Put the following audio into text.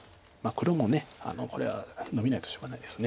黒もこれはノビないとしょうがないです。